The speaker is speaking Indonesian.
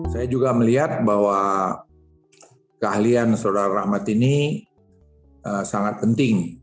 saya juga melihat bahwa keahlian saudara rahmat ini sangat penting